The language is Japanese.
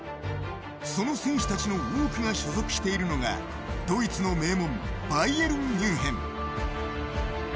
その選手たちの多くが所属しているのがドイツの名門バイエルンミュンヘン。